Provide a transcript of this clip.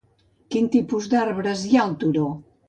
Quin tipus d'arbres hi ha al turó?